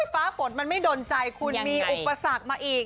ฟ้าฝนมันไม่ดนใจคุณมีอุปสรรคมาอีก